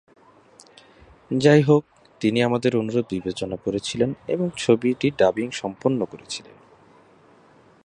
যাইহোক, তিনি আমাদের অনুরোধ বিবেচনা করেছিলেন এবং ছবিটির ডাবিং সম্পন্ন করেছিলেন।